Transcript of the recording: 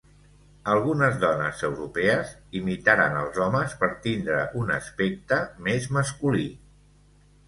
Algunes dones europees imitaren als homes per tindre un aspecte més masculí.